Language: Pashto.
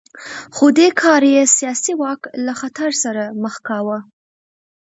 خو دې کار یې سیاسي واک له خطر سره مخ کاوه